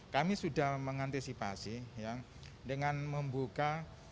kami sudah mengantisipasi dengan membuka